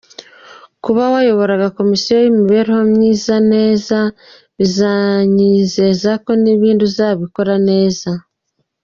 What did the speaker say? Kuba wayoboraga Komisiyo y’imibereho myiza neza, biranyizeza ko n’ibindi uzabikora neza.